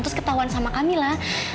terus ketahuan sama kamila